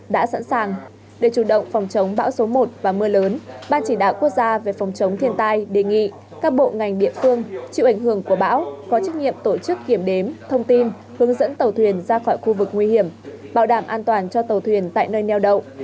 đã sẵn sàng để chủ động phòng chống bão số một và mưa lớn ban chỉ đạo quốc gia về phòng chống thiên tai đề nghị các bộ ngành địa phương chịu ảnh hưởng của bão có trách nhiệm tổ chức kiểm đếm thông tin hướng dẫn tàu thuyền ra khỏi khu vực nguy hiểm bảo đảm an toàn cho tàu thuyền tại nơi neo đậu